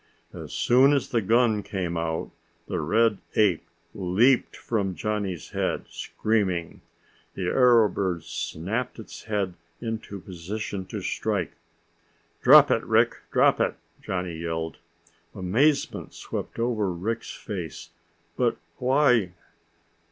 As soon as the gun came out, the red ape leaped from Johnny's head, screaming. The arrow bird snapped its head into position to strike. "Drop it, Rick! Drop it!" Johnny yelled. Amazement swept over Rick's face. "But why